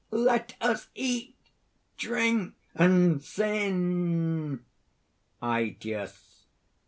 Let us eat, drink, and sin!" ÆTIUS.